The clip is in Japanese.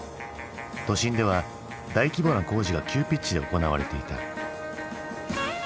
都心では大規模な工事が急ピッチで行われていた。